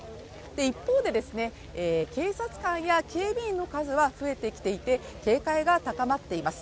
一方で、警察官や警備員の数は増えてきていて警戒が高まっています。